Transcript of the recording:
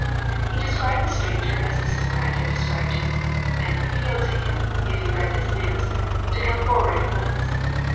He described the stranger as Mrs. Pratt had described him, and appealed to him, if he read this news, to come forward at once.